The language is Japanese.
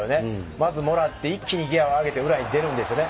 まずもらって一気にギアを上げて裏に出るんですよね。